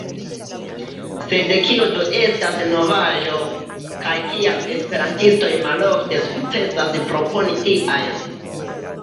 Sed kio do estas novaĵo, kaj kial esperantistoj malofte sukcesas proponi tiajn?